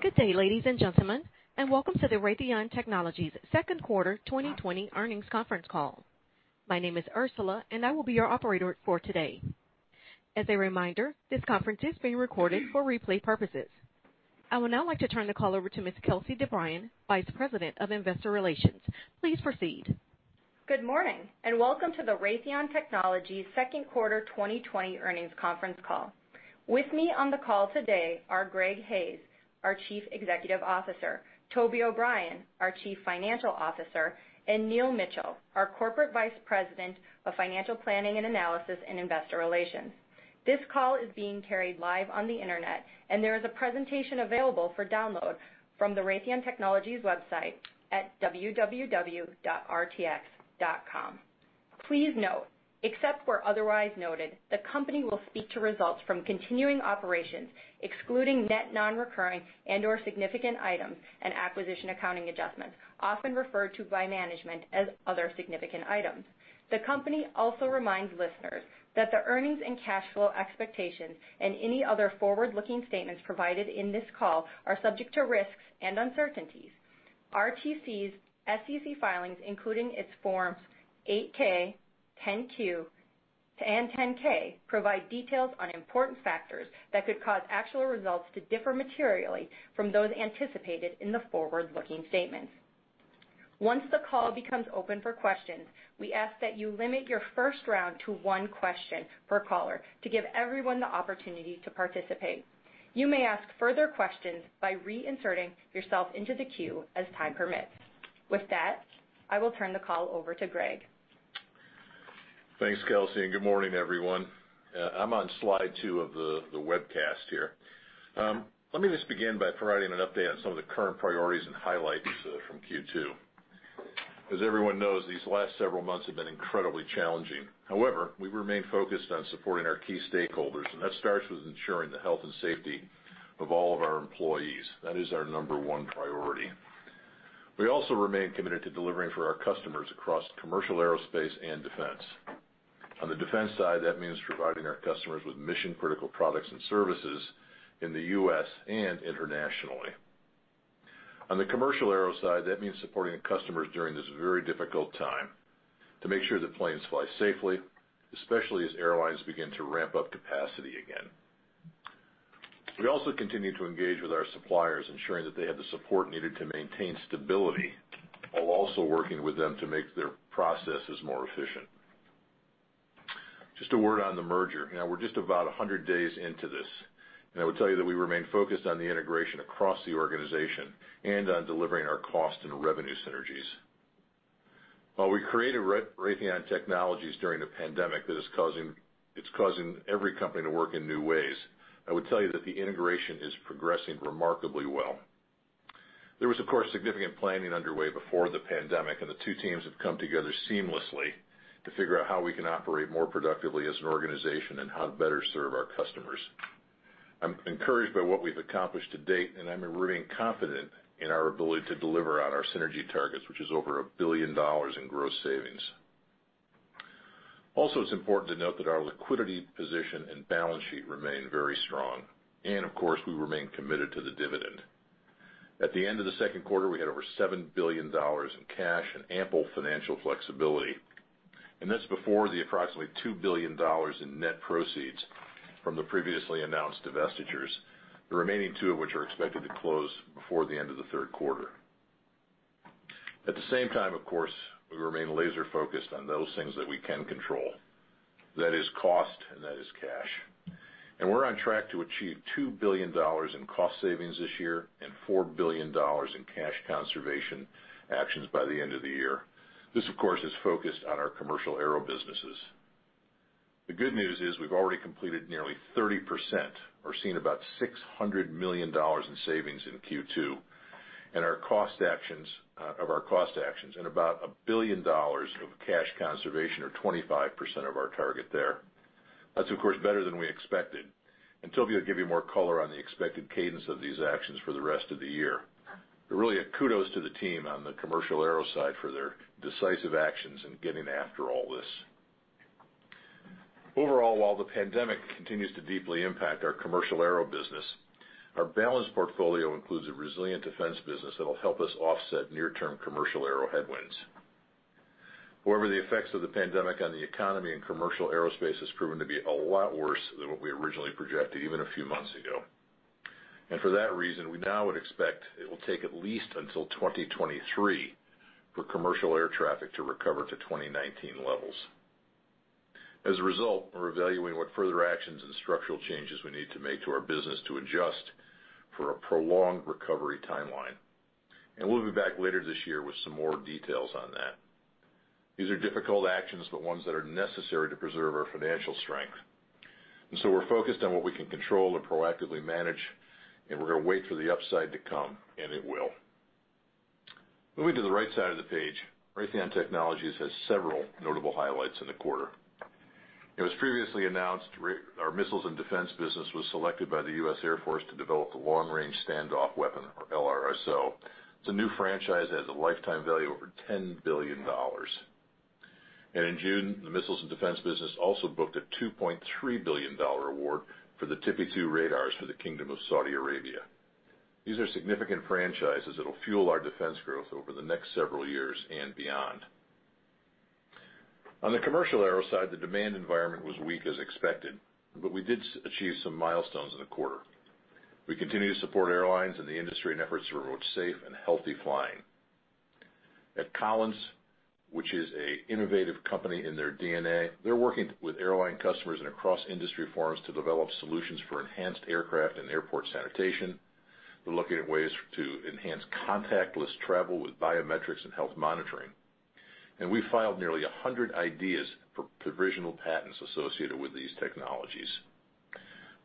Good day, ladies and gentlemen, welcome to the Raytheon Technologies second quarter 2020 earnings conference call. My name is Ursula, I will be your operator for today. As a reminder, this conference is being recorded for replay purposes. I would now like to turn the call over to Ms. Kelsey DeBriyn, Vice President of Investor Relations. Please proceed. Good morning, and welcome to the Raytheon Technologies second quarter 2020 earnings conference call. With me on the call today are Greg Hayes, our Chief Executive Officer, Toby O'Brien, our Chief Financial Officer, and Neil Mitchill, our Corporate Vice President of Financial Planning and Analysis and Investor Relations. This call is being carried live on the internet, and there is a presentation available for download from the Raytheon Technologies website at www.rtx.com. Please note, except where otherwise noted, the company will speak to results from continuing operations, excluding net non-recurring and/or significant items and acquisition accounting adjustments, often referred to by management as other significant items. The company also reminds listeners that the earnings and cash flow expectations and any other forward-looking statements provided in this call are subject to risks and uncertainties. RTX SEC filings, including its Forms 8-K, 10-Q, and 10-K provide details on important factors that could cause actual results to differ materially from those anticipated in the forward-looking statements. Once the call becomes open for questions, we ask that you limit your first round to one question per caller to give everyone the opportunity to participate. You may ask further questions by reinserting yourself into the queue as time permits. With that, I will turn the call over to Greg. Thanks, Ursula. Good morning, everyone. I'm on slide two of the webcast here. Let me just begin by providing an update on some of the current priorities and highlights from Q2. As everyone knows, these last several months have been incredibly challenging. However, we remain focused on supporting our key stakeholders, and that starts with ensuring the health and safety of all of our employees. That is our number one priority. We also remain committed to delivering for our customers across commercial aerospace and defense. On the defense side, that means providing our customers with mission-critical products and services in the U.S. and internationally. On the commercial aero side, that means supporting the customers during this very difficult time to make sure that planes fly safely, especially as airlines begin to ramp up capacity again. We also continue to engage with our suppliers, ensuring that they have the support needed to maintain stability while also working with them to make their processes more efficient. Just a word on the merger. We're just about 100 days into this, and I would tell you that we remain focused on the integration across the organization and on delivering our cost and revenue synergies. While we created Raytheon Technologies during the pandemic, it's causing every company to work in new ways. I would tell you that the integration is progressing remarkably well. There was, of course, significant planning underway before the pandemic, and the two teams have come together seamlessly to figure out how we can operate more productively as an organization and how to better serve our customers. I'm encouraged by what we've accomplished to date, and I remain confident in our ability to deliver on our synergy targets, which is over $1 billion in gross savings. Also, it's important to note that our liquidity position and balance sheet remain very strong. We remain committed to the dividend. At the end of the second quarter, we had over $7 billion in cash and ample financial flexibility, and that's before the approximately $2 billion in net proceeds from the previously announced divestitures, the remaining two of which are expected to close before the end of the third quarter. At the same time, of course, we remain laser-focused on those things that we can control. That is cost, and that is cash. We're on track to achieve $2 billion in cost savings this year and $4 billion in cash conservation actions by the end of the year. This, of course, is focused on our commercial aero businesses. The good news is we've already completed nearly 30%, or seen about $600 million in savings in Q2 of our cost actions and about $1 billion of cash conservation or 25% of our target there. That's, of course, better than we expected. Toby will give you more color on the expected cadence of these actions for the rest of the year. Really a kudos to the team on the commercial aero side for their decisive actions in getting after all this. Overall, while the pandemic continues to deeply impact our commercial aero business, our balanced portfolio includes a resilient defense business that'll help us offset near-term commercial aero headwinds. However, the effects of the pandemic on the economy and commercial aerospace has proven to be a lot worse than what we originally projected even a few months ago. For that reason, we now would expect it will take at least until 2023 for commercial air traffic to recover to 2019 levels. As a result, we're evaluating what further actions and structural changes we need to make to our business to adjust for a prolonged recovery timeline. We'll be back later this year with some more details on that. These are difficult actions, but ones that are necessary to preserve our financial strength. We're focused on what we can control and proactively manage, and we're going to wait for the upside to come, and it will. Moving to the right side of the page, Raytheon Technologies has several notable highlights in the quarter. It was previously announced our Raytheon Missiles & Defense business was selected by the U.S. Air Force to develop the Long Range Standoff Weapon, or LRSO. It's a new franchise that has a lifetime value of over $10 billion. In June, the Raytheon Missiles & Defense business also booked a $2.3 billion award for the AN/TPY-2 radars for the Kingdom of Saudi Arabia. These are significant franchises that'll fuel our defense growth over the next several years and beyond. On the commercial aero side, the demand environment was weak as expected, but we did achieve some milestones in the quarter. We continue to support airlines and the industry in efforts to promote safe and healthy flying. At Collins, which is an innovative company in their DNA, they're working with airline customers and across industry forums to develop solutions for enhanced aircraft and airport sanitation. They're looking at ways to enhance contactless travel with biometrics and health monitoring. We filed nearly 100 ideas for provisional patents associated with these technologies.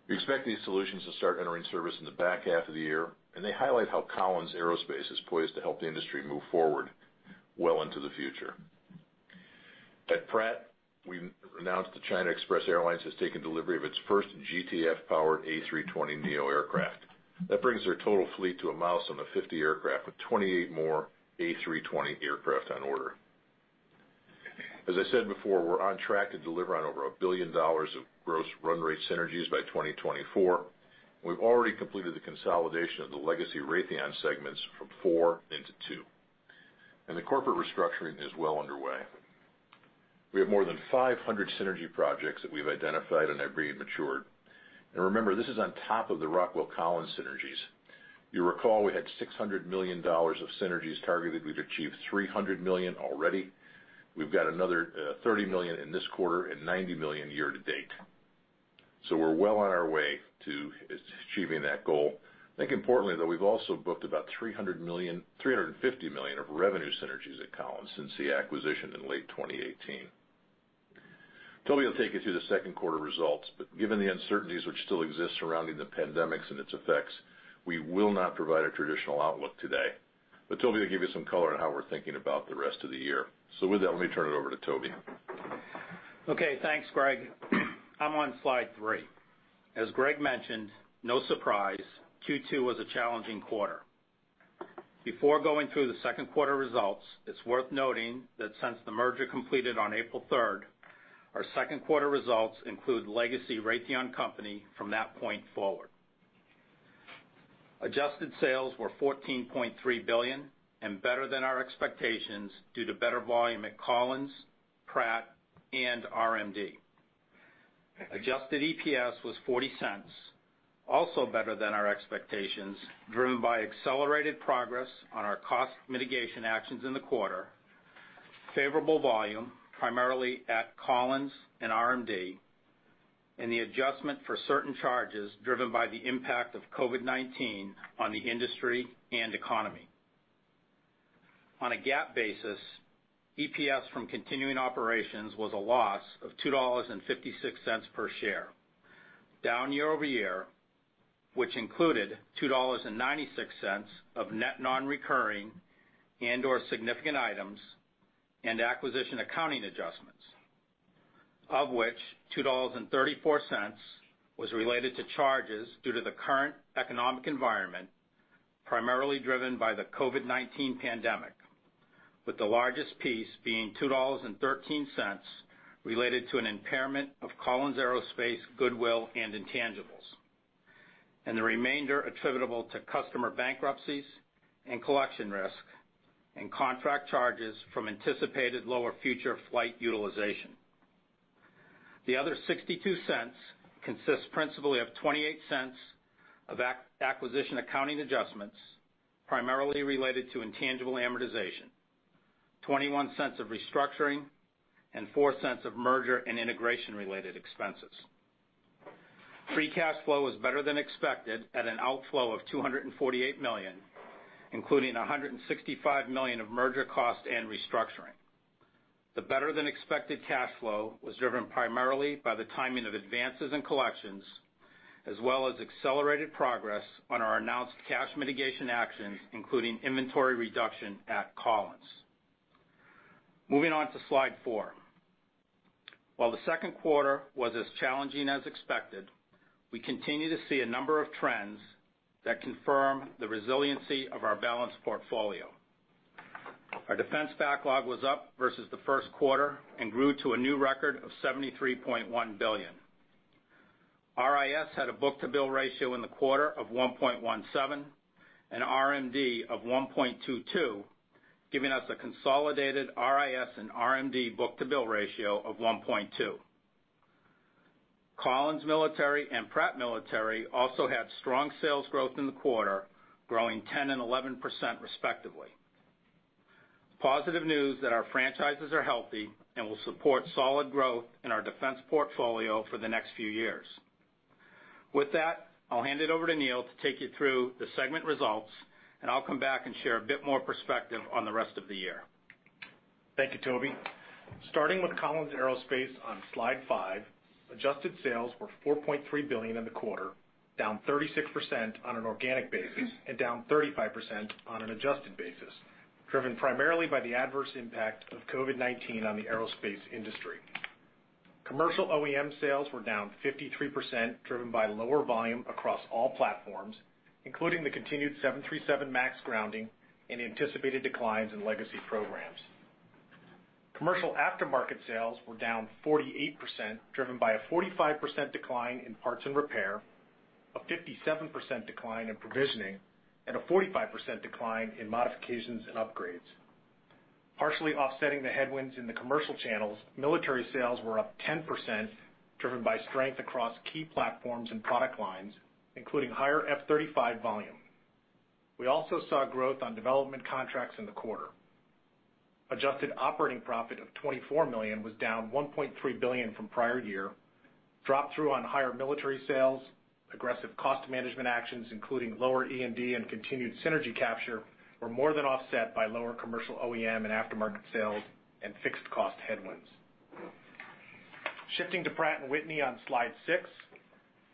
We expect these solutions to start entering service in the back half of the year. They highlight how Collins Aerospace is poised to help the industry move forward well into the future. At Pratt, we announced that China Express Airlines has taken delivery of its first GTF-powered A320neo aircraft. That brings their total fleet to a milestone of 50 aircraft, with 28 more A320 aircraft on order. As I said before, we're on track to deliver on over $1 billion of gross run rate synergies by 2024. We've already completed the consolidation of the legacy Raytheon segments from four into two. The corporate restructuring is well underway. We have more than 500 synergy projects that we've identified and have agreed and matured. Remember, this is on top of the Rockwell Collins synergies. You recall we had $600 million of synergies targeted. We've achieved $300 million already. We've got another $30 million in this quarter and $90 million year to date. We're well on our way to achieving that goal. I think importantly, though, we've also booked about $350 million of revenue synergies at Collins since the acquisition in late 2018. Toby will take you through the second quarter results, but given the uncertainties which still exist surrounding the pandemic and its effects, we will not provide a traditional outlook today. Toby will give you some color on how we're thinking about the rest of the year. With that, let me turn it over to Toby. Okay, thanks, Greg. I'm on slide three. As Greg mentioned, no surprise, Q2 was a challenging quarter. Before going through the second quarter results, it's worth noting that since the merger completed on April 3rd, our second quarter results include legacy Raytheon Company from that point forward. Adjusted sales were $14.3 billion and better than our expectations due to better volume at Collins, Pratt and RMD. Adjusted EPS was $0.40, also better than our expectations, driven by accelerated progress on our cost mitigation actions in the quarter, favorable volume, primarily at Collins and RMD, and the adjustment for certain charges driven by the impact of COVID-19 on the industry and economy. On a GAAP basis, EPS from continuing operations was a loss of $2.56 per share, down year-over-year, which included $2.96 of net non-recurring and/or significant items and acquisition accounting adjustments, of which $2.34 was related to charges due to the current economic environment, primarily driven by the COVID-19 pandemic, with the largest piece being $2.13 related to an impairment of Collins Aerospace goodwill and intangibles, and the remainder attributable to customer bankruptcies and collection risk and contract charges from anticipated lower future flight utilization. The other $0.62 consists principally of $0.28 of acquisition accounting adjustments, primarily related to intangible amortization, $0.21 of restructuring, and $0.04 of merger and integration related expenses. Free cash flow was better than expected at an outflow of $248 million, including $165 million of merger costs and restructuring. The better-than-expected cash flow was driven primarily by the timing of advances in collections, as well as accelerated progress on our announced cash mitigation actions, including inventory reduction at Collins. Moving on to slide four. While the second quarter was as challenging as expected, we continue to see a number of trends that confirm the resiliency of our balanced portfolio. Our defense backlog was up versus the first quarter and grew to a new record of $73.1 billion. RIS had a book-to-bill ratio in the quarter of 1.17 and RMD of 1.22, giving us a consolidated RIS and RMD book-to-bill ratio of 1.2. Collins Military and Pratt Military also had strong sales growth in the quarter, growing 10% and 11% respectively. Positive news that our franchises are healthy and will support solid growth in our defense portfolio for the next few years. With that, I'll hand it over to Neil to take you through the segment results, and I'll come back and share a bit more perspective on the rest of the year. Thank you, Toby. Starting with Collins Aerospace on slide five, adjusted sales were $4.3 billion in the quarter, down 36% on an organic basis and down 35% on an adjusted basis, driven primarily by the adverse impact of COVID-19 on the aerospace industry. Commercial OEM sales were down 53%, driven by lower volume across all platforms, including the continued 737 MAX grounding and anticipated declines in legacy programs. Commercial aftermarket sales were down 48%, driven by a 45% decline in parts and repair, a 57% decline in provisioning, and a 45% decline in modifications and upgrades. Partially offsetting the headwinds in the commercial channels, military sales were up 10%, driven by strength across key platforms and product lines, including higher F-35 volume. We also saw growth on development contracts in the quarter. Adjusted operating profit of $24 million was down $1.3 billion from prior year. Drop-through on higher military sales, aggressive cost management actions, including lower E&D and continued synergy capture, were more than offset by lower commercial OEM and aftermarket sales and fixed cost headwinds. Shifting to Pratt & Whitney on slide six.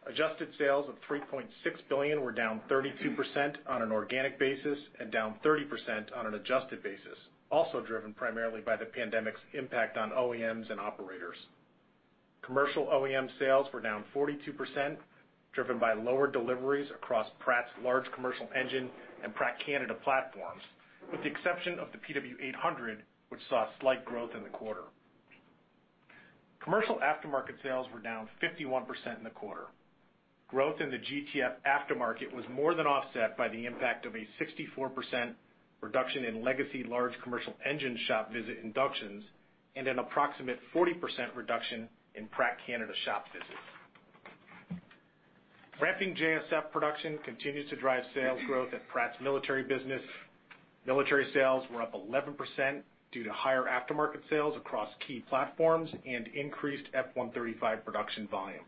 Adjusted sales of $3.6 billion were down 32% on an organic basis and down 30% on an adjusted basis, also driven primarily by the pandemic's impact on OEMs and operators. Commercial OEM sales were down 42%, driven by lower deliveries across Pratt's large commercial engine and Pratt Canada platforms, with the exception of the PW800, which saw slight growth in the quarter. Commercial aftermarket sales were down 51% in the quarter. Growth in the GTF aftermarket was more than offset by the impact of a 64% reduction in legacy large commercial engine shop visit inductions and an approximate 40% reduction in Pratt Canada shop visits. Ramping JSF production continues to drive sales growth at Pratt's military business. Military sales were up 11% due to higher aftermarket sales across key platforms and increased F135 production volume.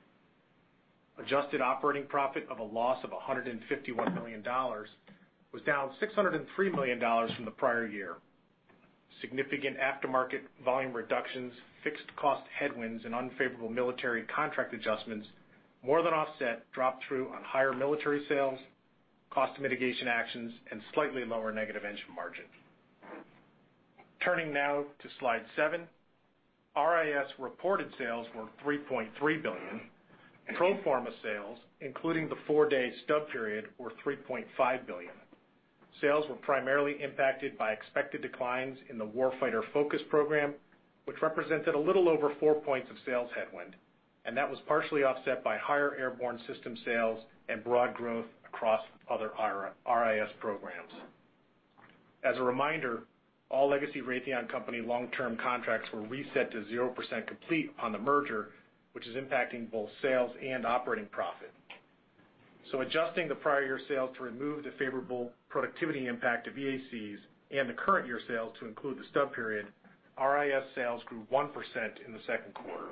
Adjusted operating profit of a loss of $151 million was down $603 million from the prior year. Significant aftermarket volume reductions, fixed cost headwinds in unfavorable military contract adjustments, more than offset drop-through on higher military sales, cost mitigation actions, and slightly lower negative engine margin. Turning now to slide seven. RIS reported sales were $3.3 billion. Pro forma sales, including the four-day stub period, were $3.5 billion. Sales were primarily impacted by expected declines in the Warfighter FOCUS program, which represented a little over four points of sales headwind, and that was partially offset by higher airborne system sales and broad growth across other RIS programs. As a reminder, all legacy Raytheon Company long-term contracts were reset to 0% complete on the merger, which is impacting both sales and operating profit. Adjusting the prior year sales to remove the favorable productivity impact of EACs and the current year sales to include the stub period, RIS sales grew 1% in the second quarter.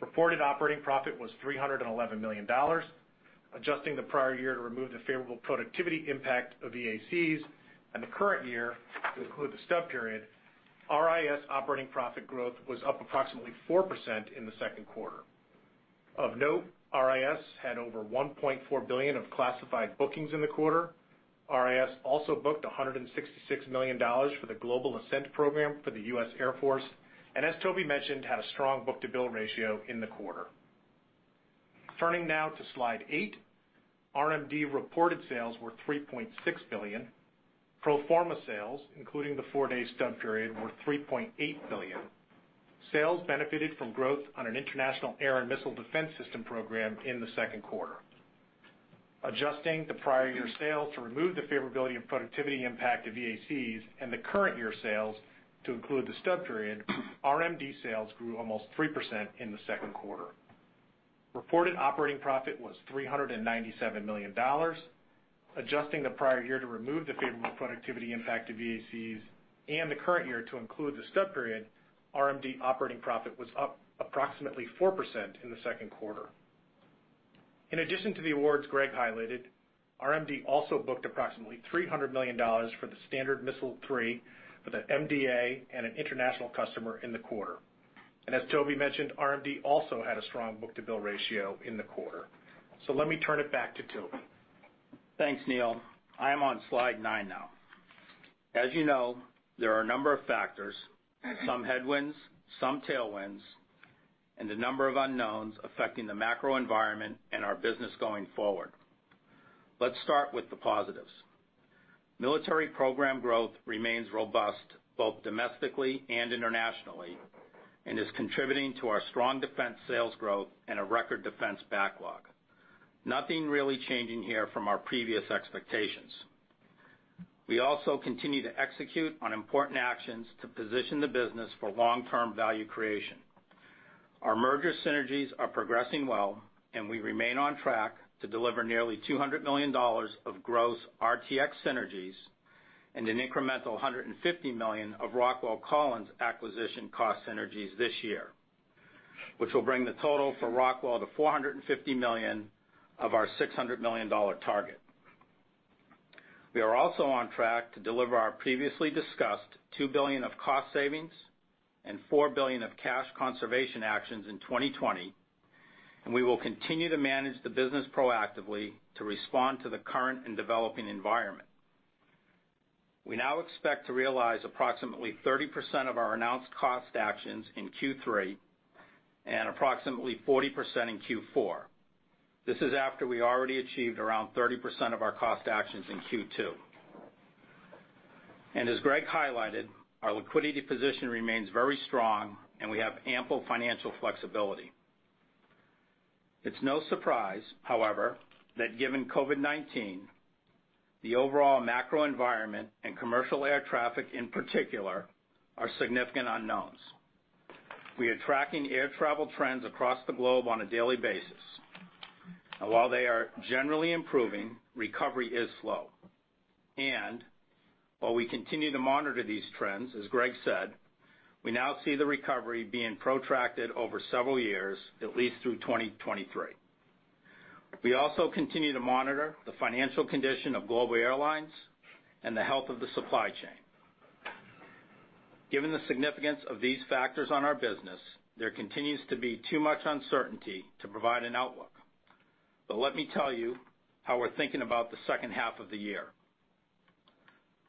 Reported operating profit was $311 million. Adjusting the prior year to remove the favorable productivity impact of EACs and the current year to include the stub period, RIS operating profit growth was up approximately 4% in the second quarter. Of note, RIS had over $1.4 billion of classified bookings in the quarter. RIS also booked $166 million for the Global ASNT program for the US Air Force, and as Toby mentioned, had a strong book-to-bill ratio in the quarter. Turning now to slide eight. RMD reported sales were $3.6 billion. Pro forma sales, including the four-day stub period, were $3.8 billion. Sales benefited from growth on an international air and missile defense system program in the second quarter. Adjusting the prior year sales to remove the favorability and productivity impact of EACs and the current year sales to include the stub period, RMD sales grew almost 3% in the second quarter. Reported operating profit was $397 million. Adjusting the prior year to remove the favorable productivity impact of EACs and the current year to include the stub period, RMD operating profit was up approximately 4% in the second quarter. In addition to the awards Greg highlighted, RMD also booked approximately $300 million for the Standard Missile-3 with an MDA and an international customer in the quarter. As Toby mentioned, RMD also had a strong book-to-bill ratio in the quarter. Let me turn it back to Toby. Thanks, Neil. I am on slide nine now. As you know, there are a number of factors, some headwinds, some tailwinds, and a number of unknowns affecting the macro environment and our business going forward. Let's start with the positives. Military program growth remains robust, both domestically and internationally, and is contributing to our strong defense sales growth and a record defense backlog. Nothing really changing here from our previous expectations. We also continue to execute on important actions to position the business for long-term value creation. Our merger synergies are progressing well, and we remain on track to deliver nearly $200 million of gross RTX synergies and an incremental $150 million of Rockwell Collins acquisition cost synergies this year, which will bring the total for Rockwell to $450 million of our $600 million target. We are also on track to deliver our previously discussed $2 billion of cost savings and $4 billion of cash conservation actions in 2020. We will continue to manage the business proactively to respond to the current and developing environment. We now expect to realize approximately 30% of our announced cost actions in Q3 and approximately 40% in Q4. This is after we already achieved around 30% of our cost actions in Q2. As Greg highlighted, our liquidity position remains very strong and we have ample financial flexibility. It's no surprise, however, that given COVID-19, the overall macro environment and commercial air traffic in particular, are significant unknowns. We are tracking air travel trends across the globe on a daily basis. While they are generally improving, recovery is slow. While we continue to monitor these trends, as Greg said, we now see the recovery being protracted over several years, at least through 2023. We also continue to monitor the financial condition of global airlines and the health of the supply chain. Given the significance of these factors on our business, there continues to be too much uncertainty to provide an outlook. Let me tell you how we're thinking about the second half of the year.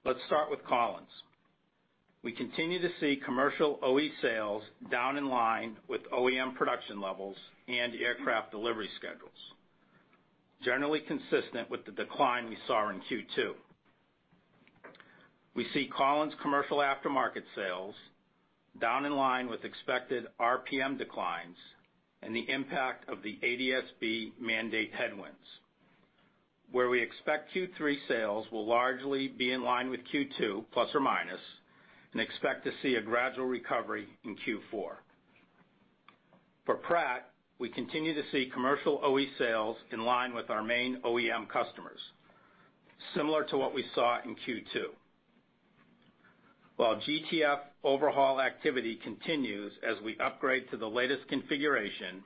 Let's start with Collins. We continue to see commercial OE sales down in line with OEM production levels and aircraft delivery schedules, generally consistent with the decline we saw in Q2. We see Collins commercial aftermarket sales down in line with expected RPM declines and the impact of the ADS-B mandate headwinds, where we expect Q3 sales will largely be in line with Q2, plus or minus, and expect to see a gradual recovery in Q4. For Pratt, we continue to see commercial OE sales in line with our main OEM customers, similar to what we saw in Q2. While GTF overhaul activity continues as we upgrade to the latest configuration,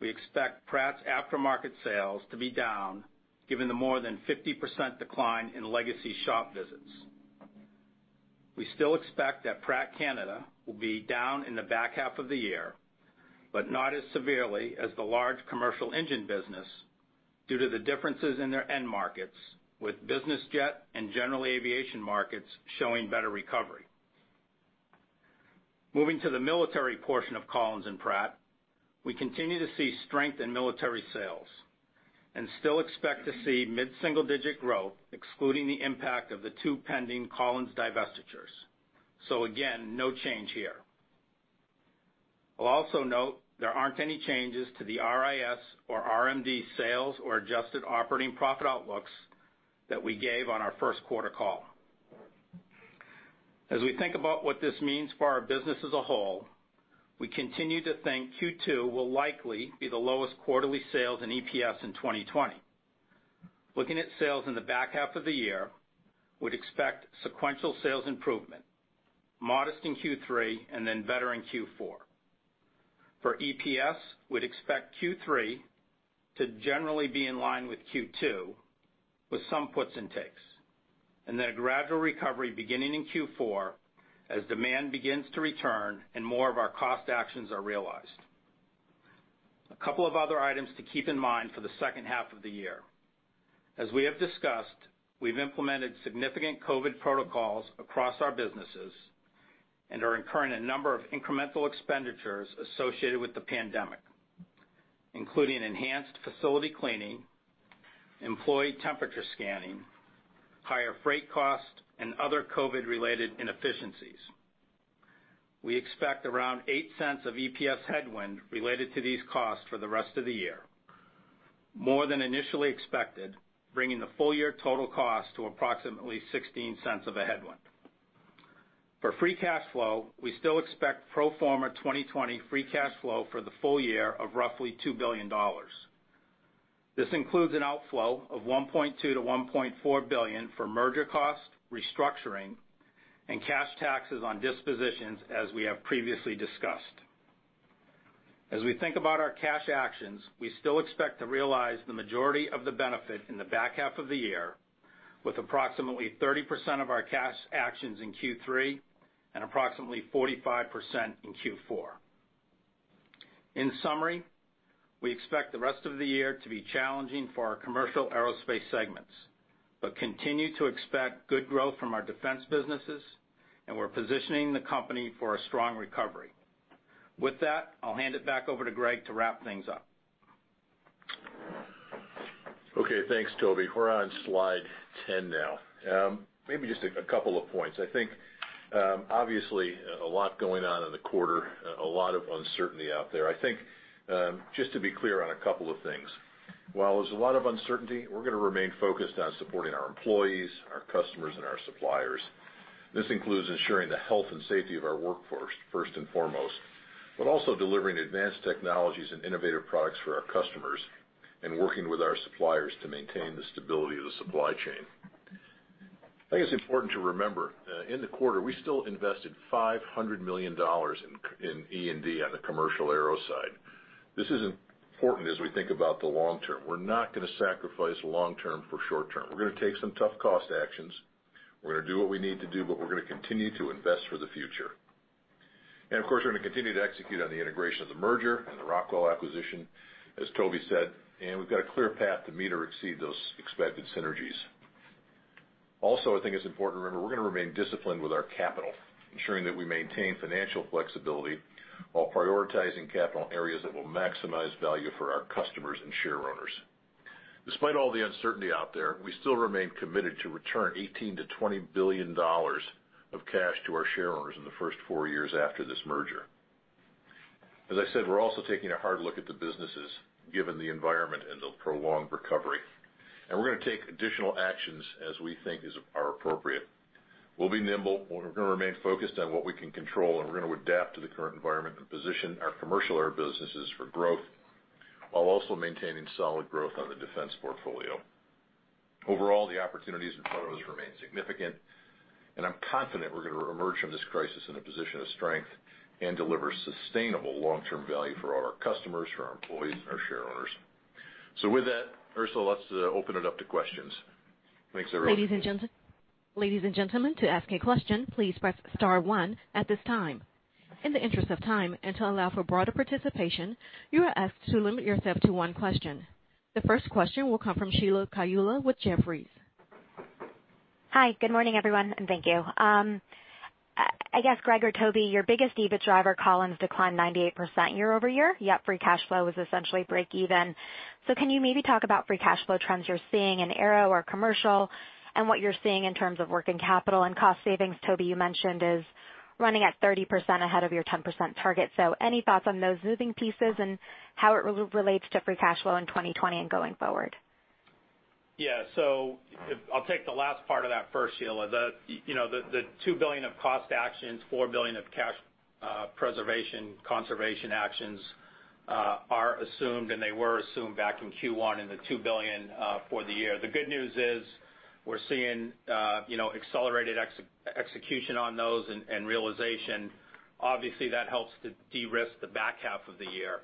we expect Pratt's aftermarket sales to be down given the more than 50% decline in legacy shop visits. We still expect that Pratt Canada will be down in the back half of the year, but not as severely as the large commercial engine business due to the differences in their end markets with business jet and general aviation markets showing better recovery. Moving to the military portion of Collins and Pratt, we continue to see strength in military sales and still expect to see mid-single digit growth, excluding the impact of the two pending Collins divestitures. Again, no change here. I'll also note there aren't any changes to the RIS or RMD sales or adjusted operating profit outlooks that we gave on our first quarter call. As we think about what this means for our business as a whole, we continue to think Q2 will likely be the lowest quarterly sales in EPS in 2020. Looking at sales in the back half of the year, would expect sequential sales improvement, modest in Q3 and better in Q4. For EPS, would expect Q3 to generally be in line with Q2 with some puts and takes, a gradual recovery beginning in Q4 as demand begins to return and more of our cost actions are realized. A couple of other items to keep in mind for the second half of the year. As we have discussed, we've implemented significant COVID protocols across our businesses and are incurring a number of incremental expenditures associated with the pandemic, including enhanced facility cleaning, employee temperature scanning, higher freight cost, and other COVID-related inefficiencies. We expect around $0.08 of EPS headwind related to these costs for the rest of the year, more than initially expected, bringing the full year total cost to approximately $0.16 of a headwind. For free cash flow, we still expect pro forma 2020 free cash flow for the full year of roughly $2 billion. This includes an outflow of $1.2 billion-$1.4 billion for merger cost, restructuring, and cash taxes on dispositions as we have previously discussed. As we think about our cash actions, we still expect to realize the majority of the benefit in the back half of the year with approximately 30% of our cash actions in Q3 and approximately 45% in Q4. In summary, we expect the rest of the year to be challenging for our commercial aerospace segments, but continue to expect good growth from our defense businesses and we're positioning the company for a strong recovery. With that, I'll hand it back over to Greg to wrap things up. Okay. Thanks, Toby. We're on slide 10 now. Maybe just a couple of points. I think, obviously, a lot going on in the quarter, a lot of uncertainty out there. I think, just to be clear on a couple of things. While there's a lot of uncertainty, we're going to remain focused on supporting our employees, our customers, and our suppliers. This includes ensuring the health and safety of our workforce first and foremost, but also delivering advanced technologies and innovative products for our customers and working with our suppliers to maintain the stability of the supply chain. I think it's important to remember, in the quarter, we still invested $500 million in E&D on the commercial aero side. This is important as we think about the long term. We're not going to sacrifice long term for short term. We're going to take some tough cost actions. We're going to do what we need to do, but we're going to continue to invest for the future. We're going to continue to execute on the integration of the merger and the Rockwell acquisition, as Toby said. We've got a clear path to meet or exceed those expected synergies. I think it's important to remember, we're going to remain disciplined with our capital, ensuring that we maintain financial flexibility while prioritizing capital areas that will maximize value for our customers and shareowners. Despite all the uncertainty out there, we still remain committed to return $18 billion-$20 billion of cash to our shareowners in the first four years after this merger. As I said, we're also taking a hard look at the businesses, given the environment and the prolonged recovery. We're going to take additional actions as we think are appropriate. We'll be nimble. We're going to remain focused on what we can control, and we're going to adapt to the current environment and position our commercial air businesses for growth, while also maintaining solid growth on the defense portfolio. Overall, the opportunities in front of us remain significant, and I'm confident we're going to emerge from this crisis in a position of strength and deliver sustainable long-term value for all our customers, for our employees, and our shareowners. With that, Ursula, let's open it up to questions. Thanks, everyone. Ladies and gentlemen. To ask a question, please press star one at this time. In the interest of time and to allow for broader participation, you are asked to limit yourself to one question. The first question will come from Sheila Kahyaoglu with Jefferies. Hi, good morning, everyone, and thank you. I guess, Greg or Toby, your biggest EBIT driver, Collins, declined 98% year-over-year, yet free cash flow was essentially break even. Can you maybe talk about free cash flow trends you're seeing in aero or commercial, and what you're seeing in terms of working capital and cost savings, Toby, you mentioned is running at 30% ahead of your 10% target. Any thoughts on those moving pieces and how it relates to free cash flow in 2020 and going forward? Yeah. I'll take the last part of that first, Sheila. The $2 billion of cost actions, $4 billion of cash preservation, conservation actions, are assumed, and they were assumed back in Q1, and the $2 billion for the year. The good news is we're seeing accelerated execution on those and realization. Obviously, that helps to de-risk the back half of the year.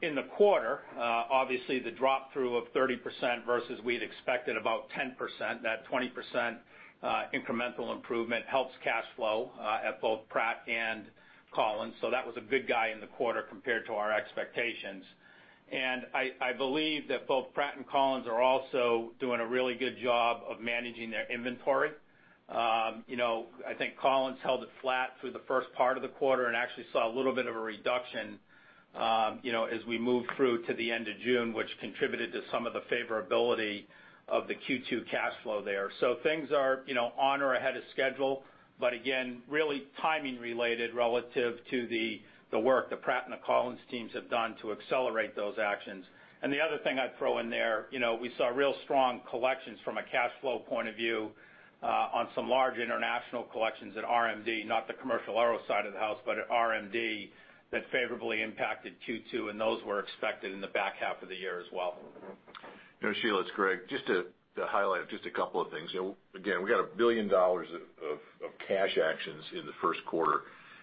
In the quarter, obviously, the drop-through of 30% versus we'd expected about 10%, that 20% incremental improvement helps cash flow at both Pratt and Collins. That was a big guy in the quarter compared to our expectations. I believe that both Pratt and Collins are also doing a really good job of managing their inventory. I think Collins held it flat through the first part of the quarter and actually saw a little bit of a reduction as we moved through to the end of June, which contributed to some of the favorability of the Q2 cash flow there. Things are on or ahead of schedule, but again, really timing related relative to the work the Pratt and the Collins teams have done to accelerate those actions. The other thing I'd throw in there, we saw real strong collections from a cash flow point of view on some large international collections at RMD, not the commercial aero side of the house, but at RMD, that favorably impacted Q2, and those were expected in the back half of the year as well. Sheila, it's Greg. Just to highlight just a couple of things. We got $1 billion of cash actions in the first quarter,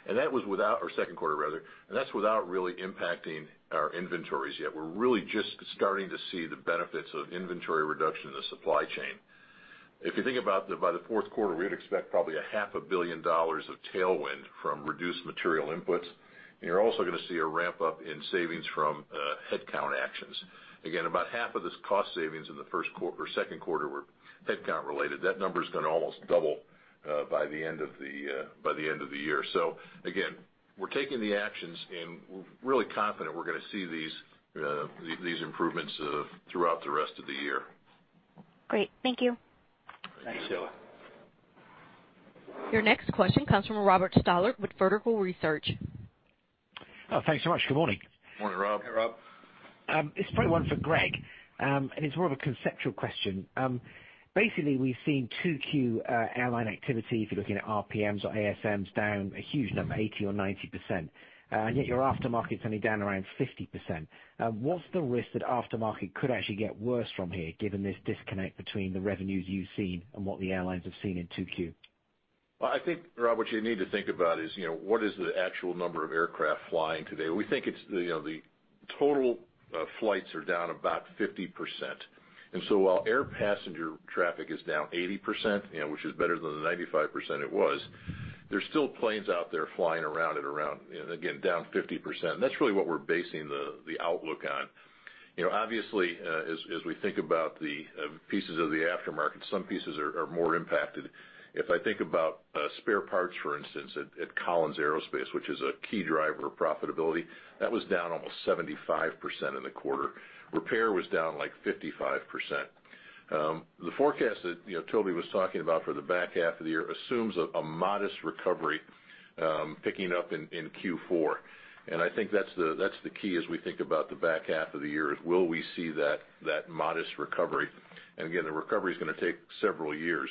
or second quarter rather, and that's without really impacting our inventories yet. We're really just starting to see the benefits of inventory reduction in the supply chain. If you think about by the fourth quarter, we would expect probably a half a billion dollars of tailwind from reduced material inputs. You're also going to see a ramp-up in savings from headcount actions. About half of this cost savings in the second quarter were headcount related. That number's going to almost double by the end of the year. We're taking the actions, and we're really confident we're going to see these improvements throughout the rest of the year. Great. Thank you. Thanks, Sheila. Your next question comes from Robert Stallard with Vertical Research. Thanks so much. Good morning. Morning, Rob. Hey, Rob. This is probably one for Greg, and it's more of a conceptual question. Basically, we've seen 2Q airline activity, if you're looking at RPMs or ASMs, down a huge number, 80% or 90%, and yet your aftermarket's only down around 50%. What's the risk that aftermarket could actually get worse from here, given this disconnect between the revenues you've seen and what the airlines have seen in 2Q? Well, I think, Rob, what you need to think about is, what is the actual number of aircraft flying today. We think the total flights are down about 50%. While air passenger traffic is down 80%, which is better than the 95% it was, there's still planes out there flying around at around, again, down 50%, and that's really what we're basing the outlook on. Obviously, as we think about the pieces of the aftermarket, some pieces are more impacted. If I think about spare parts, for instance, at Collins Aerospace, which is a key driver of profitability, that was down almost 75% in the quarter. Repair was down, like, 55%. The forecast that Toby was talking about for the back half of the year assumes a modest recovery, picking up in Q4. I think that's the key as we think about the back half of the year is will we see that modest recovery? Again, the recovery's going to take several years.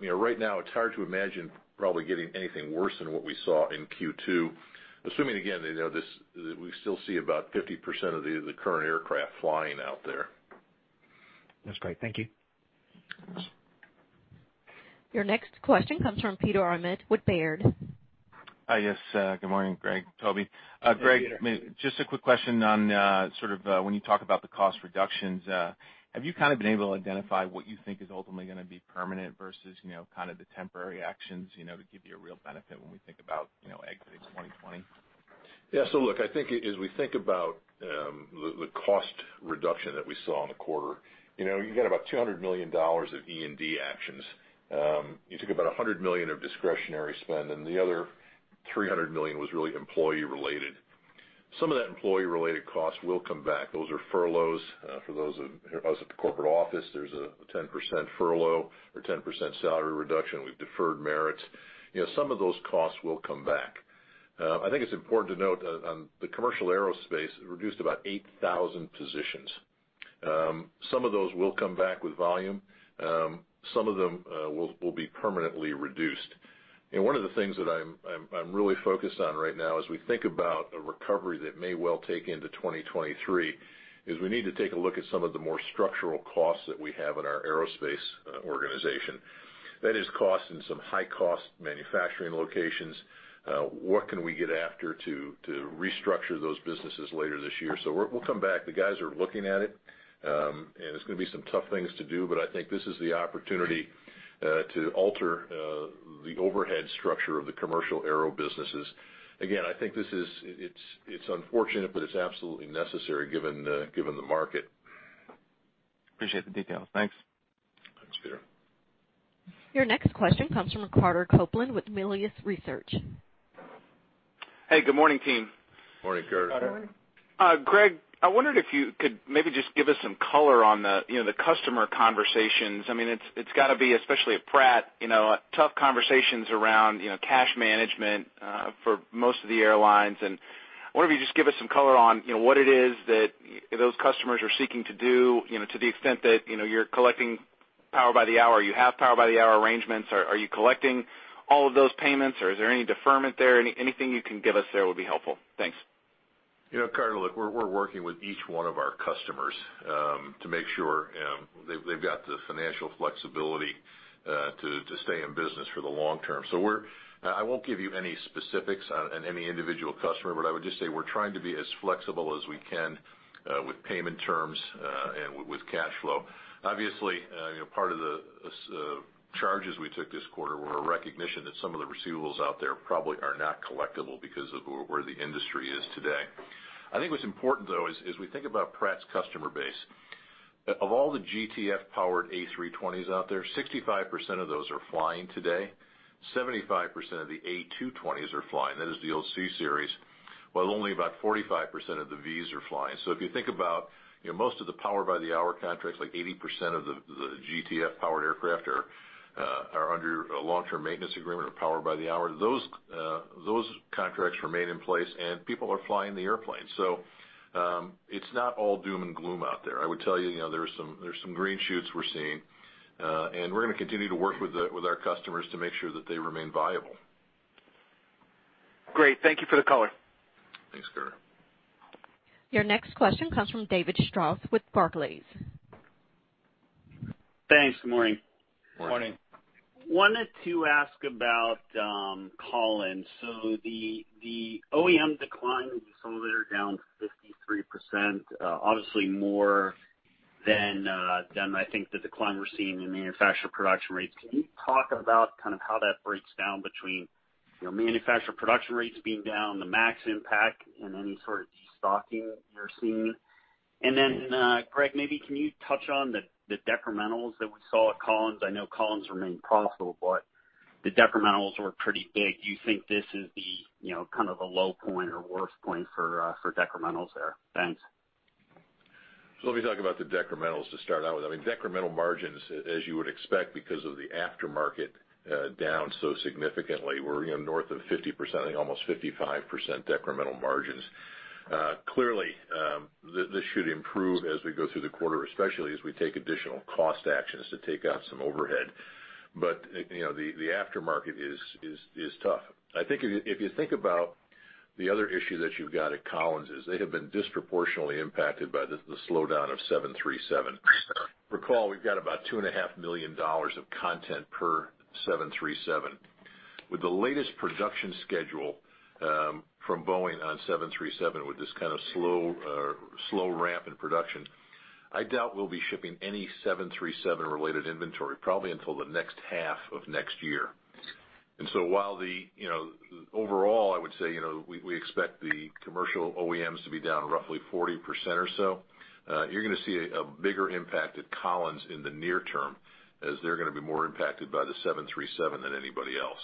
Right now, it's hard to imagine probably getting anything worse than what we saw in Q2, assuming, again, that we still see about 50% of the current aircraft flying out there. That's great. Thank you. Your next question comes from Peter Arment with Baird. Hi, yes. Good morning, Greg, Toby. Hey, Peter. Greg, just a quick question on when you talk about the cost reductions, have you been able to identify what you think is ultimately going to be permanent versus the temporary actions to give you a real benefit when we think about exiting 2020? Look, I think as we think about the cost reduction that we saw in the quarter, you get about $200 million of E&D actions. You took about $100 million of discretionary spend, the other $300 million was really employee-related. Some of that employee-related cost will come back. Those are furloughs. For those of us at the corporate office, there's a 10% furlough or 10% salary reduction. We've deferred merits. Some of those costs will come back. I think it's important to note, on the commercial aerospace, it reduced about 8,000 positions. Some of those will come back with volume. Some of them will be permanently reduced. One of the things that I'm really focused on right now, as we think about a recovery that may well take into 2023, is we need to take a look at some of the more structural costs that we have in our aerospace organization. That is cost in some high-cost manufacturing locations. What can we get after to restructure those businesses later this year? We'll come back. The guys are looking at it, and it's going to be some tough things to do, but I think this is the opportunity to alter the overhead structure of the commercial aero businesses. Again, I think it's unfortunate, but it's absolutely necessary given the market. Appreciate the details. Thanks. Thanks, Peter. Your next question comes from Carter Copeland with Melius Research. Hey, good morning, team. Morning, Carter. Greg, I wondered if you could maybe just give us some color on the customer conversations. It's got to be, especially at Pratt, tough conversations around cash management for most of the airlines. I wonder if you just give us some color on what it is that those customers are seeking to do, to the extent that you're collecting power-by-the-hour, you have power-by-the-hour arrangements. Are you collecting all of those payments, or is there any deferment there? Anything you can give us there would be helpful. Thanks. Carter, look, we're working with each one of our customers to make sure they've got the financial flexibility to stay in business for the long term. I won't give you any specifics on any individual customer, but I would just say we're trying to be as flexible as we can with payment terms and with cash flow. Obviously, part of the charges we took this quarter were a recognition that some of the receivables out there probably are not collectible because of where the industry is today. I think what's important, though, is we think about Pratt's customer base. Of all the GTF-powered A320s out there, 65% of those are flying today, 75% of the A220s are flying. That is the C Series, while only about 45% of the V2500s are flying. If you think about most of the power-by-the-hour contracts, like 80% of the GTF-powered aircraft are under a long-term maintenance agreement of power by the hour. Those contracts remain in place, and people are flying the airplane. It's not all doom and gloom out there. I would tell you, there's some green shoots we're seeing. We're going to continue to work with our customers to make sure that they remain viable. Great. Thank you for the color. Thanks, Carter. Your next question comes from David Strauss with Barclays. Thanks. Good morning. Morning. Morning. Wanted to ask about Collins. The OEM decline consolidated down 53%, obviously more than I think the decline we're seeing in manufacturer production rates. Can you talk about kind of how that breaks down between manufacturer production rates being down, the MAX impact, and any sort of de-stocking you're seeing? Greg, maybe can you touch on the decrementals that we saw at Collins? I know Collins remained profitable, but the decrementals were pretty big. Do you think this is the kind of a low point or worst point for decrementals there? Thanks. Let me talk about the decrementals to start out with. Decremental margins, as you would expect, because of the aftermarket down so significantly, we're north of 50%, I think almost 55% decremental margins. Clearly, this should improve as we go through the quarter, especially as we take additional cost actions to take out some overhead. The aftermarket is tough. I think if you think about the other issue that you've got at Collins is they have been disproportionately impacted by the slowdown of 737. Recall, we've got about $2.5 million of content per 737. With the latest production schedule from Boeing on 737, with this kind of slow ramp in production, I doubt we'll be shipping any 737-related inventory probably until the next half of next year. While overall, I would say, we expect the commercial OEMs to be down roughly 40% or so, you're going to see a bigger impact at Collins in the near term as they're going to be more impacted by the 737 than anybody else.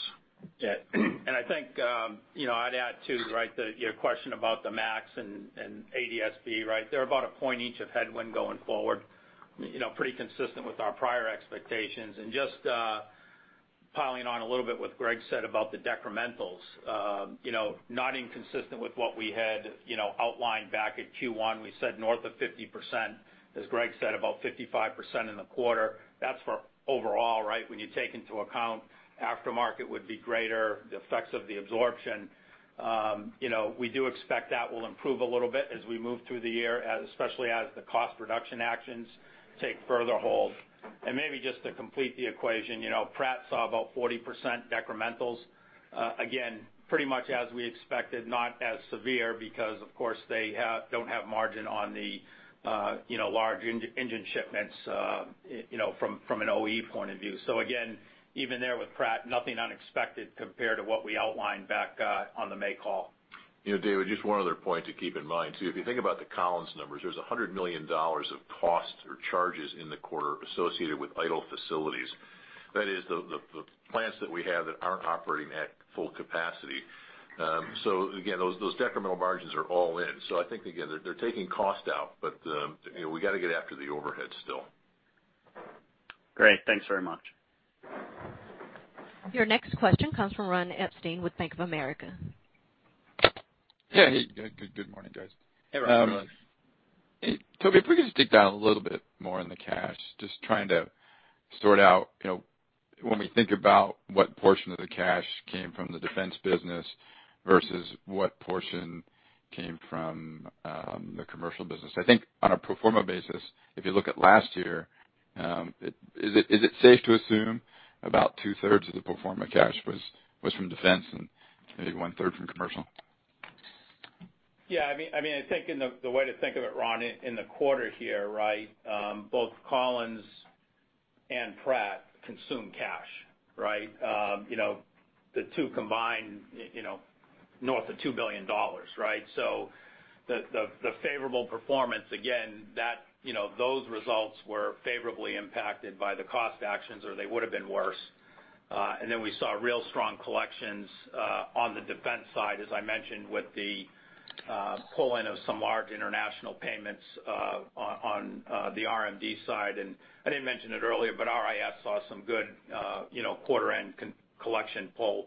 Yeah. I think I'd add, too, right, your question about the MAX and ADS-B, right? They're about one point each of headwind going forward, pretty consistent with our prior expectations. Just piling on a little bit what Greg said about the decrementals. Not inconsistent with what we had outlined back at Q1. We said north of 50%, as Greg said, about 55% in the quarter. That's for overall, right? When you take into account aftermarket would be greater, the effects of the absorption. We do expect that will improve a little bit as we move through the year, especially as the cost reduction actions take further hold. Maybe just to complete the equation, Pratt saw about 40% decrementals. Again, pretty much as we expected, not as severe because, of course, they don't have margin on the large engine shipments from an OE point of view. Again, even there with Pratt, nothing unexpected compared to what we outlined back on the May call. David, just one other point to keep in mind, too. If you think about the Collins numbers, there's $100 million of costs or charges in the quarter associated with idle facilities. That is the plants that we have that aren't operating at full capacity. Again, those decremental margins are all in. I think, again, they're taking cost out, we got to get after the overhead still. Great. Thanks very much. Your next question comes from Ron Epstein with Bank of America. Hey. Good morning, guys. Hey, Ron. Toby, if we could just dig down a little bit more in the cash, just trying to sort out when we think about what portion of the cash came from the defense business versus what portion came from the commercial business. I think on a pro forma basis, if you look at last year, is it safe to assume about two-thirds of the pro forma cash was from defense and maybe one-third from commercial? I think the way to think of it, Ron, in the quarter here, both Collins and Pratt consume cash. The two combined, north of $2 billion. The favorable performance, again, those results were favorably impacted by the cost actions, or they would have been worse. We saw real strong collections on the defense side, as I mentioned, with the pull-in of some large international payments on the RMD side. I didn't mention it earlier, but RIS saw some good quarter end collection pull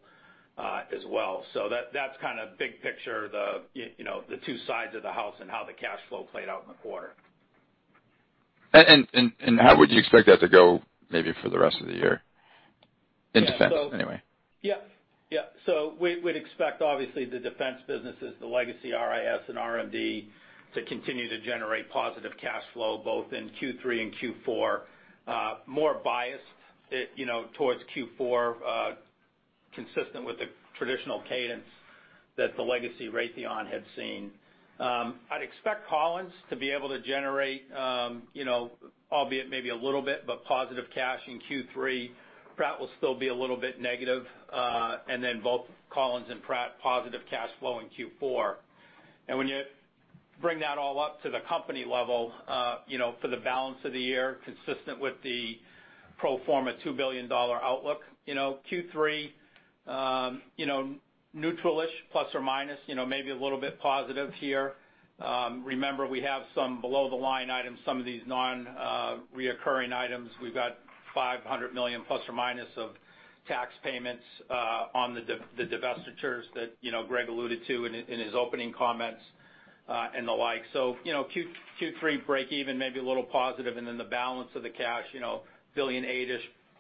as well. That's kind of big picture, the two sides of the house and how the cash flow played out in the quarter. How would you expect that to go maybe for the rest of the year, in defense anyway? Yeah. We'd expect, obviously, the defense businesses, the legacy RIS and RMD, to continue to generate positive cash flow both in Q3 and Q4. More biased towards Q4, consistent with the traditional cadence that the legacy Raytheon had seen. I'd expect Collins to be able to generate, albeit maybe a little bit, but positive cash in Q3. Pratt will still be a little bit negative, then both Collins and Pratt, positive cash flow in Q4. When you bring that all up to the company level, for the balance of the year, consistent with the pro forma $2 billion outlook, Q3, neutral-ish, plus or minus, maybe a little bit positive here. Remember, we have some below the line items, some of these non-reoccurring items. We've got $500 million plus or minus of tax payments on the divestitures that Greg alluded to in his opening comments, and the like. Q3 breakeven, maybe a little positive, the balance of the cash, $1.8 billion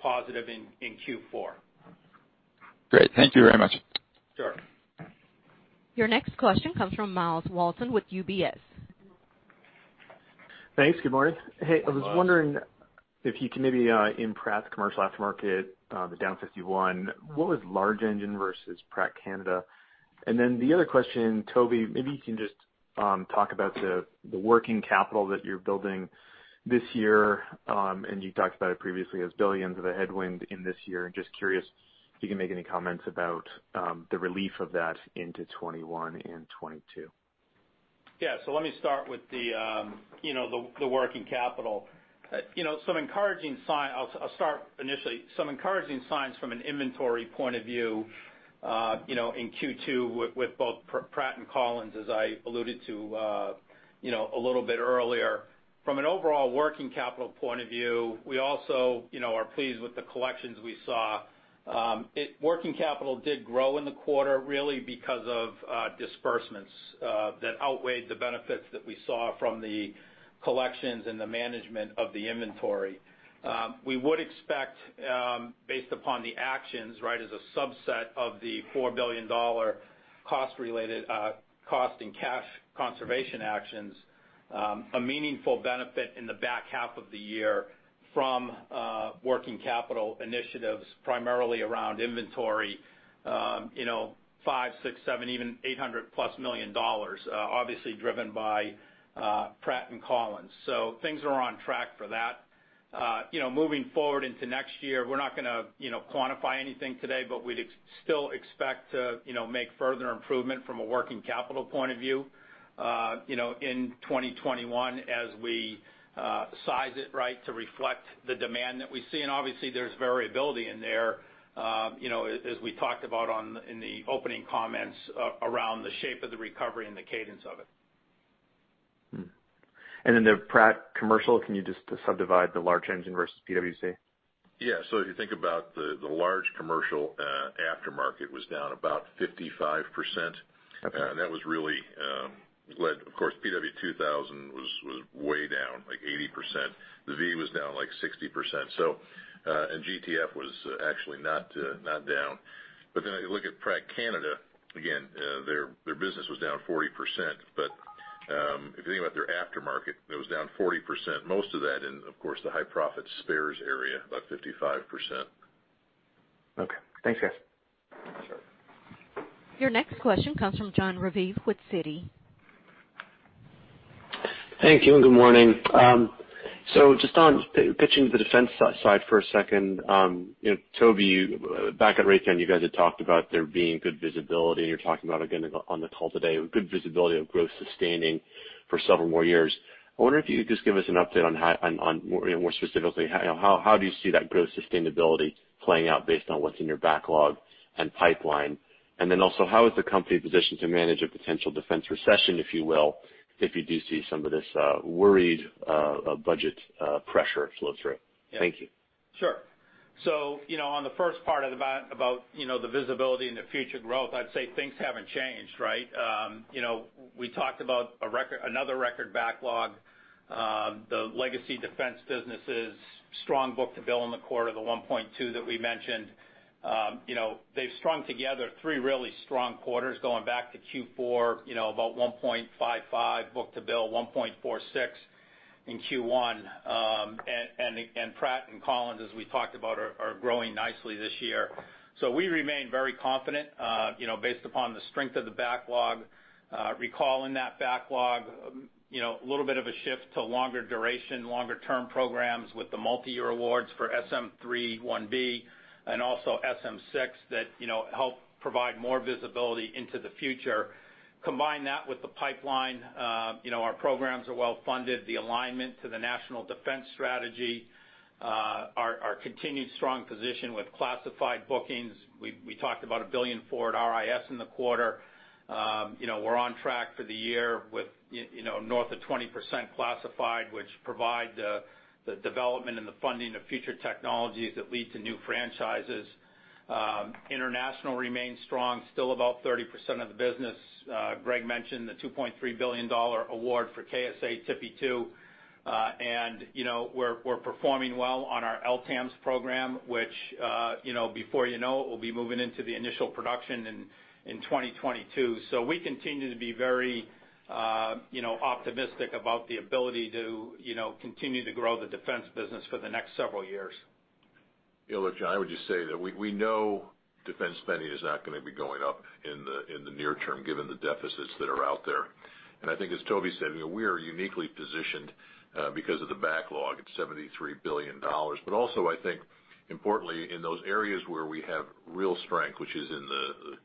positive in Q4. Great. Thank you very much. Sure. Your next question comes from Myles Walton with UBS. Thanks. Good morning. Myles. Hey, I was wondering if you can maybe, in Pratt Commercial Aftermarket, the down 51%, what was large engine versus Pratt Canada? Then the other question, Toby, maybe you can just talk about the working capital that you're building this year. You talked about it previously as $ billions of a headwind in this year, and just curious if you can make any comments about the relief of that into 2021 and 2022. Let me start with the working capital. I'll start initially. Some encouraging signs from an inventory point of view, in Q2 with both Pratt and Collins, as I alluded to a little bit earlier. From an overall working capital point of view, we also are pleased with the collections we saw. Working capital did grow in the quarter, really because of disbursements that outweighed the benefits that we saw from the collections and the management of the inventory. We would expect, based upon the actions as a subset of the $4 billion cost and cash conservation actions, a meaningful benefit in the back half of the year from working capital initiatives, primarily around inventory, $500 million, $600 million, $700 million, even $800 million plus, obviously driven by Pratt and Collins. Things are on track for that. Moving forward into next year, we're not going to quantify anything today, but we'd still expect to make further improvement from a working capital point of view in 2021 as we size it to reflect the demand that we see, and obviously there's variability in there, as we talked about in the opening comments, around the shape of the recovery and the cadence of it. The Pratt commercial, can you just subdivide the large engine versus P&WC? Yeah. If you think about the large commercial aftermarket was down about 55%. Okay. Of course, PW2000 was way down, like 80%. The V was down, like 60%. GTF was actually not down. I look at Pratt Canada, again, their business was down 40%, but if you think about their aftermarket, it was down 40%, most of that in, of course, the high profit spares area, about 55%. Okay. Thanks, guys. Sure. Your next question comes from Jon Raviv with Citi. Thank you. Good morning. Just on pitching the defense side for a second. Toby, back at Raytheon, you guys had talked about there being good visibility, and you're talking about, again, on the call today, good visibility of growth sustaining for several more years. I wonder if you could just give us an update on more specifically, how do you see that growth sustainability playing out based on what's in your backlog and pipeline? Also, how is the company positioned to manage a potential defense recession, if you will, if you do see some of this worried budget pressure flow through? Thank you. Sure. On the first part about the visibility and the future growth, I'd say things haven't changed. We talked about another record backlog. The legacy defense business is strong book-to-bill in the quarter, the 1.2 that we mentioned. They've strung together three really strong quarters, going back to Q4, about 1.55 book-to-bill, 1.46 in Q1. Pratt & Collins, as we talked about, are growing nicely this year. We remain very confident, based upon the strength of the backlog. Recall in that backlog, a little bit of a shift to longer duration, longer-term programs with the multi-year awards for SM-3 Block IB and also SM-6 that help provide more visibility into the future. Combine that with the pipeline, our programs are well-funded, the alignment to the national defense strategy, our continued strong position with classified bookings. We talked about $1 billion for it, RIS in the quarter. We're on track for the year with north of 20% classified, which provide the development and the funding of future technologies that lead to new franchises. International remains strong, still about 30% of the business. Greg mentioned the $2.3 billion award for KSA AN/TPY-2, and we're performing well on our LTAMDS program, which, before you know it, will be moving into the initial production in 2022. We continue to be very optimistic about the ability to continue to grow the defense business for the next several years. Look, Jon, I would just say that we know defense spending is not going to be going up in the near term, given the deficits that are out there. I think as Toby said, we are uniquely positioned because of the backlog. It's $73 billion. Also, I think importantly, in those areas where we have real strength, which is in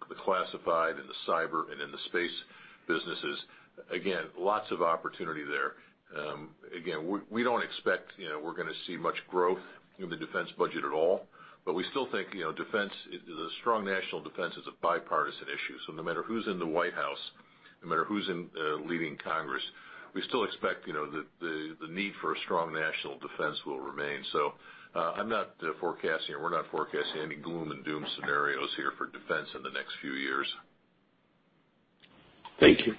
the classified, in the cyber, and in the space businesses, again, lots of opportunity there. Again, we don't expect we're going to see much growth in the defense budget at all. We still think a strong national defense is a bipartisan issue. No matter who's in the White House, no matter who's leading Congress, we still expect that the need for a strong national defense will remain. I'm not forecasting, or we're not forecasting any gloom and doom scenarios here for defense in the next few years. Thank you.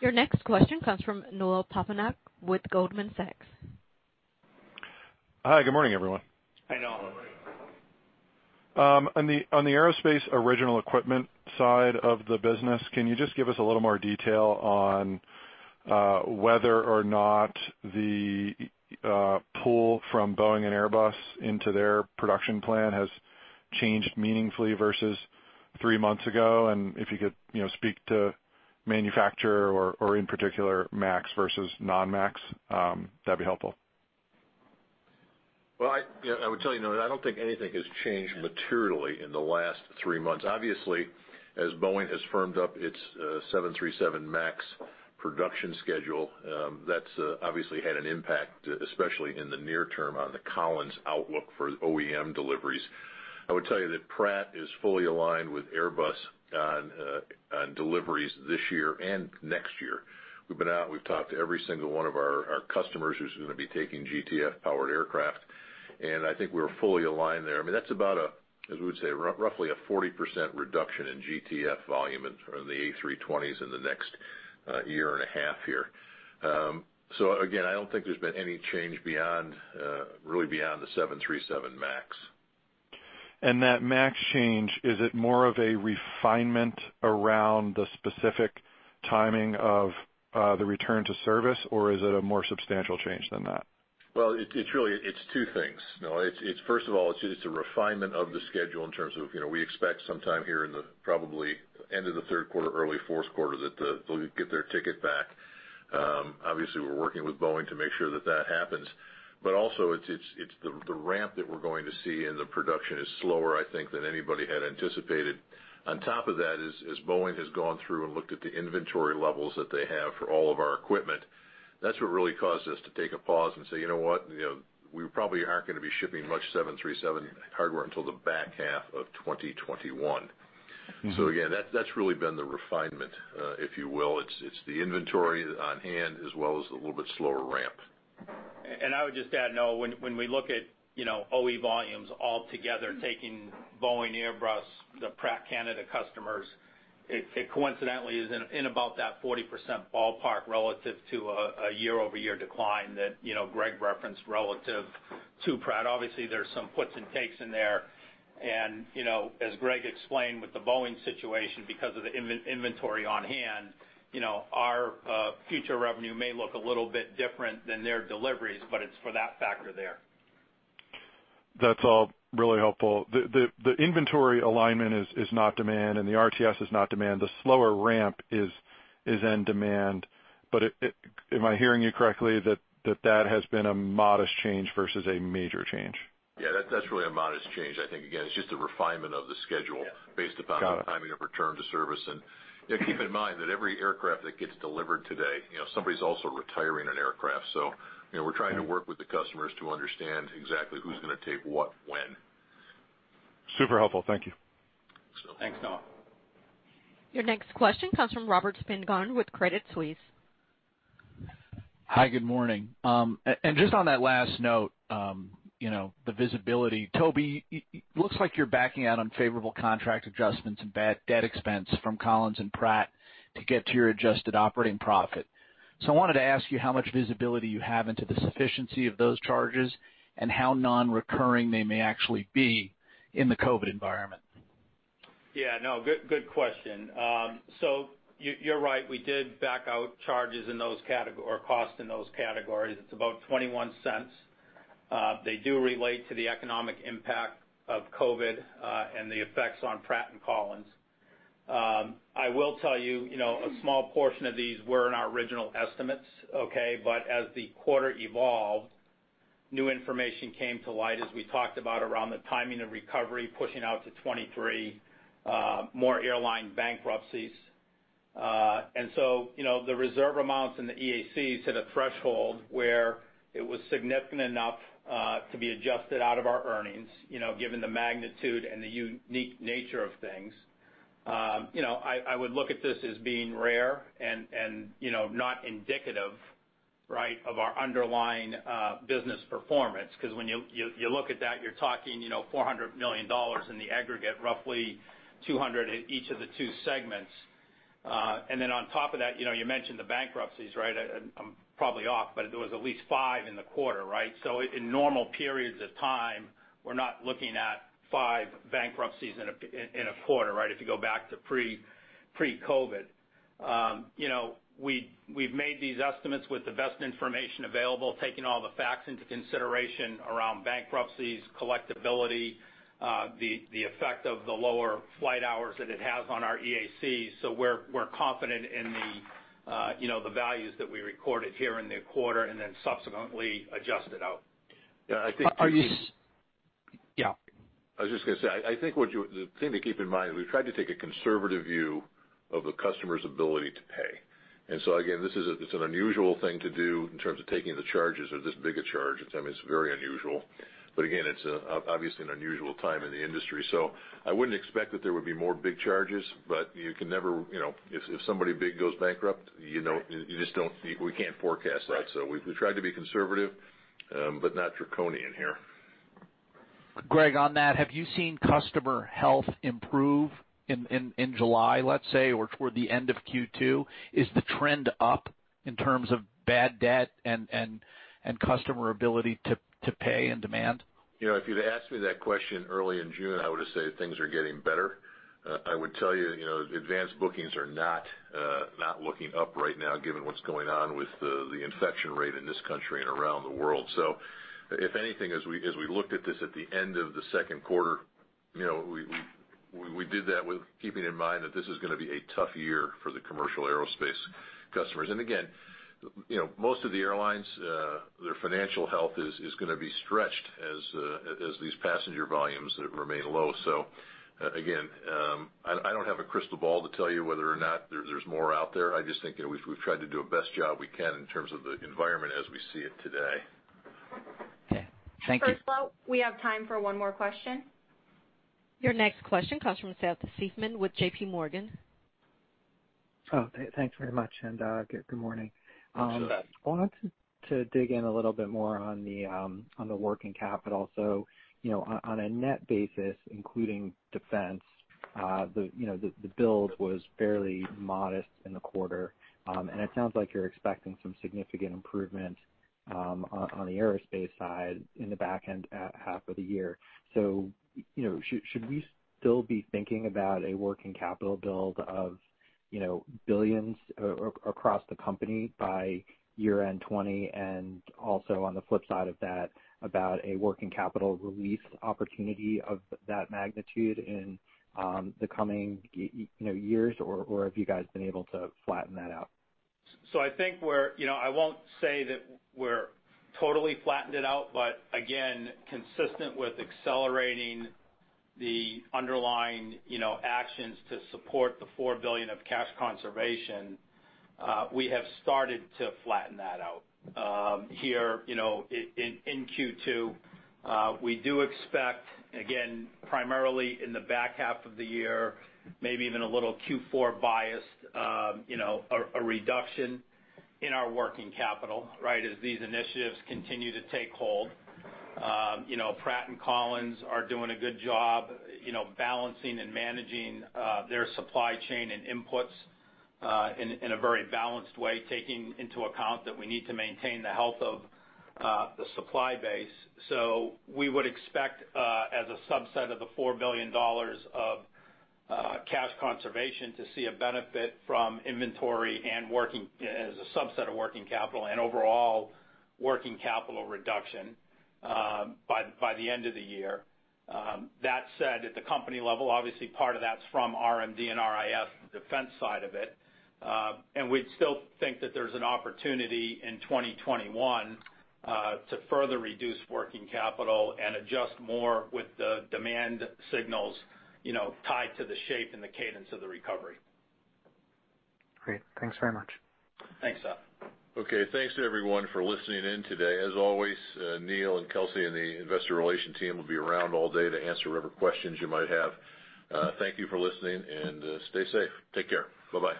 Your next question comes from Noah Poponak with Goldman Sachs. Hi, good morning, everyone. Hi, Noah. On the aerospace original equipment side of the business, can you just give us a little more detail on whether or not the pull from Boeing and Airbus into their production plan has changed meaningfully versus three months ago? If you could speak to manufacturer or in particular, Max versus non-Max, that'd be helpful. Well, I would tell you, Noah, I don't think anything has changed materially in the last three months. As Boeing has firmed up its 737 MAX production schedule, that's obviously had an impact, especially in the near term, on the Collins outlook for OEM deliveries. I would tell you that Pratt is fully aligned with Airbus on deliveries this year and next year. We've been out, we've talked to every single one of our customers who's going to be taking GTF-powered aircraft, I think we're fully aligned there. That's about, as we would say, roughly a 40% reduction in GTF volume in the A320s in the next year and a half here. Again, I don't think there's been any change really beyond the 737 MAX. That MAX change, is it more of a refinement around the specific timing of the return to service, or is it a more substantial change than that? Well, it's two things. First of all, it's a refinement of the schedule in terms of, we expect sometime here in the, probably end of the third quarter, early fourth quarter, that they'll get their ticket back. Obviously, we're working with Boeing to make sure that that happens. Also, it's the ramp that we're going to see, and the production is slower, I think, than anybody had anticipated. On top of that, as Boeing has gone through and looked at the inventory levels that they have for all of our equipment, that's what really caused us to take a pause and say, you know what, we probably aren't going to be shipping much 737 hardware until the back half of 2021. Again, that's really been the refinement, if you will. It's the inventory on hand, as well as a little bit slower ramp. I would just add, Noah, when we look at OE volumes all together, taking Boeing, Airbus, the Pratt Canada customers, it coincidentally is in about that 40% ballpark relative to a year-over-year decline that Greg referenced relative to Pratt. Obviously, there's some puts and takes in there. As Greg explained with the Boeing situation, because of the inventory on hand, our future revenue may look a little bit different than their deliveries, but it's for that factor there. That's all really helpful. The inventory alignment is not demand, and the RTX is not demand. The slower ramp is in demand. Am I hearing you correctly that that has been a modest change versus a major change? Yeah, that's really a modest change. I think, again, it's just a refinement of the schedule. Yeah. Got it. Based upon the timing of return to service. Keep in mind that every aircraft that gets delivered today, somebody's also retiring an aircraft. We're trying to work with the customers to understand exactly who's going to take what, when. Super helpful. Thank you. Thanks, Tom. Your next question comes from Robert Spingarn with Credit Suisse. Hi, good morning. Just on that last note, the visibility, Toby, it looks like you're backing out unfavorable contract adjustments and bad debt expense from Collins and Pratt to get to your adjusted operating profit. I wanted to ask you how much visibility you have into the sufficiency of those charges, and how non-recurring they may actually be in the COVID environment. Yeah, no, good question. You are right, we did back out charges in those or costs in those categories. It is about $0.21. They do relate to the economic impact of COVID, and the effects on Pratt and Collins. I will tell you, a small portion of these were in our original estimates, okay? As the quarter evolved, new information came to light, as we talked about around the timing of recovery, pushing out to 2023, more airline bankruptcies. The reserve amounts in the EAC hit a threshold where it was significant enough to be adjusted out of our earnings, given the magnitude and the unique nature of things. I would look at this as being rare and not indicative, right, of our underlying business performance, because when you look at that, you're talking $400 million in the aggregate, roughly $200 in each of the two segments. On top of that, you mentioned the bankruptcies, right? I'm probably off, there was at least five in the quarter, right? In normal periods of time, we're not looking at five bankruptcies in a quarter, right, if you go back to pre-COVID. We've made these estimates with the best information available, taking all the facts into consideration around bankruptcies, collectibility, the effect of the lower flight hours that it has on our EACs. We're confident in the values that we recorded here in the quarter and then subsequently adjusted out. Yeah. Yeah. I was just going to say, I think the thing to keep in mind, we tried to take a conservative view of a customer's ability to pay. Again, this is an unusual thing to do in terms of taking the charges or this big a charge. I mean, it's very unusual. Again, it's obviously an unusual time in the industry. I wouldn't expect that there would be more big charges, but you can never if somebody big goes bankrupt, we can't forecast that. We tried to be conservative, but not draconian here. Greg, on that, have you seen customer health improve in July, let's say, or toward the end of Q2? Is the trend up in terms of bad debt and customer ability to pay and demand? If you'd asked me that question early in June, I would have said things are getting better. I would tell you, advanced bookings are not looking up right now given what's going on with the infection rate in this country and around the world. If anything, as we looked at this at the end of the second quarter, we did that with keeping in mind that this is going to be a tough year for the commercial aerospace customers. Again, most of the airlines, their financial health is going to be stretched as these passenger volumes remain low. Again, I don't have a crystal ball to tell you whether or not there's more out there. I just think we've tried to do a best job we can in terms of the environment as we see it today. Okay. Thank you. First up, we have time for one more question. Your next question comes from Seth Seifman with JPMorgan. Oh, thanks very much. Good morning. I wanted to dig in a little bit more on the working capital. On a net basis, including defense, the build was fairly modest in the quarter. It sounds like you're expecting some significant improvement on the aerospace side in the back end half of the year. Should we still be thinking about a working capital build of billions across the company by year-end 2020, and also on the flip side of that, about a working capital release opportunity of that magnitude in the coming years? Have you guys been able to flatten that out? I won't say that we're totally flattened it out, but again, consistent with accelerating the underlying actions to support the $4 billion of cash conservation, we have started to flatten that out. Here, in Q2, we do expect, again, primarily in the back half of the year, maybe even a little Q4 bias, a reduction in our working capital, right, as these initiatives continue to take hold. Pratt and Collins are doing a good job balancing and managing their supply chain and inputs in a very balanced way, taking into account that we need to maintain the health of the supply base. We would expect, as a subset of the $4 billion of cash conservation, to see a benefit from inventory as a subset of working capital and overall working capital reduction by the end of the year. That said, at the company level, obviously part of that's from RMD and RIS, the defense side of it. We'd still think that there's an opportunity in 2021 to further reduce working capital and adjust more with the demand signals tied to the shape and the cadence of the recovery. Great. Thanks very much. Thanks, Seth. Okay. Thanks, everyone, for listening in today. As always, Neil and Kelsey and the investor relations team will be around all day to answer whatever questions you might have. Thank you for listening, and stay safe. Take care. Bye-bye.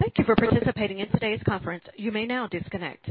Thank you for participating in today's conference. You may now disconnect.